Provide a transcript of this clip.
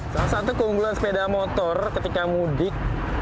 salah satu keunggulan sepeda motor ketika mudik